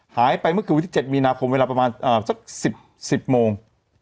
หายไปเมื่อคือวันที่เจ็ดมีนาคมเวลาประมาณเอ่อสักสิบสิบโมง